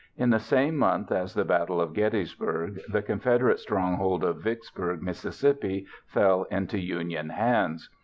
In the same month as the Battle of Gettysburg, the Confederate stronghold of Vicksburg, Miss., fell into Union hands.